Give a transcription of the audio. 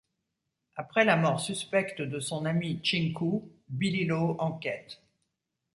Après la mort suspecte de son ami Ching Ku, Billy Lo enquête.